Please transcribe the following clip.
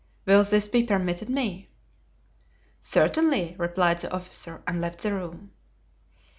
Will this be permitted me?" "Certainly," replied the officer, and left the room.